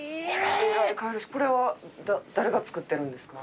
これは誰が作ってるんですか？